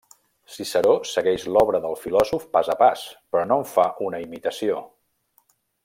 Ciceró segueix l'obra del filòsof pas a pas però no en fa una imitació.